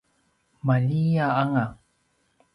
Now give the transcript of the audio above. maljia anga